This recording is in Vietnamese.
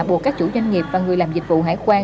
buộc các chủ doanh nghiệp và người làm dịch vụ hải quan